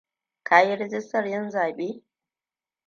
Ka yi rijstar yin zaɓe?